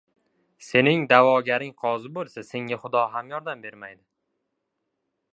• Sening da’vogaring qozi bo‘lsa, senga xudo ham yordam bermaydi.